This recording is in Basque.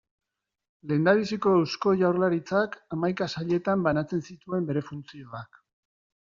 Lehendabiziko Eusko Jaurlaritzak hamaika sailetan banatzen zituen bere funtzioak.